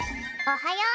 おはよう！